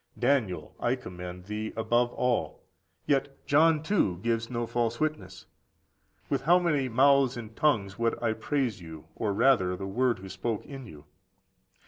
Daniel, I commend thee above all; yet John too gives no false witness. With how many mouths and tongues would I praise you; or rather the Word who spake in you!